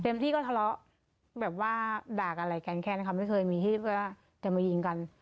ที่ก็ทะเลาะแบบว่าด่ากันอะไรกันแค่นะคะไม่เคยมีที่ว่าจะมายิงกัน